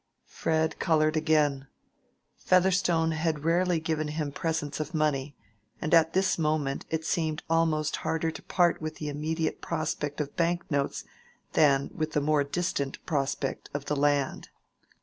Fred colored again. Featherstone had rarely given him presents of money, and at this moment it seemed almost harder to part with the immediate prospect of bank notes than with the more distant prospect of the land.